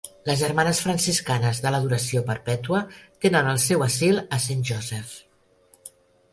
Les Germanes Franciscanes de l'Adoració Perpètua tenen el seu asil a Saint Joseph.